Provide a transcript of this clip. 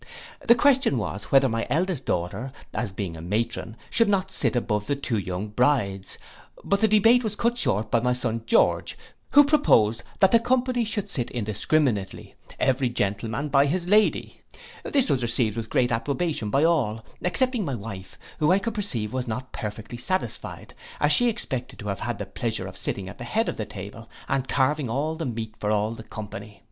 The question was whether my eldest daughter, as being a matron, should not sit above the two young brides, but the debate was cut short by my son George, who proposed, that the company should sit indiscriminately, every gentleman by his lady. This was received with great approbation by all, excepting my wife, who I could perceive was not perfectly satisfied, as she expected to have had the pleasure of sitting at the head of the table and carving all the meat for all the company.